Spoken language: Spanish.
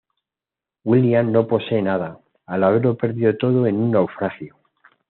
William no posee nada, al haberlo perdido todo en un naufragio.